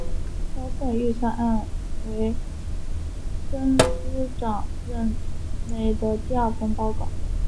该份预算案为曾司长任内的第二份报告。